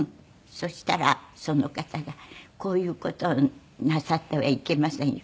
そしたらその方が「こういう事をなさってはいけませんよ」